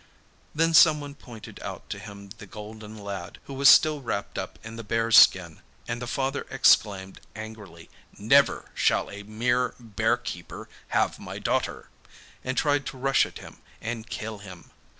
Then someone pointed out to him the golden lad, who was still wrapped up in the bear's skin, and the father exclaimed angrily: 'Never shall a mere bear keeper have my daughter,' and tried to rush at him and kill him.